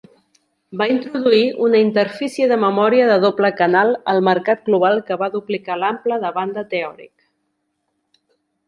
Va introduir una interfície de memòria de doble canal al mercat global que va duplicar l'ample de banda teòric.